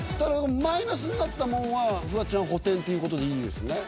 マイナスになったもんは、フワちゃん補填ということでいいですね？